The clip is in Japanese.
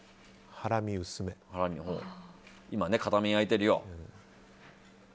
今、片面焼いているよ。